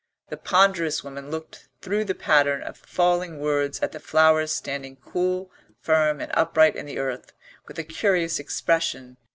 The ponderous woman looked through the pattern of falling words at the flowers standing cool, firm, and upright in the earth, with a curious expression.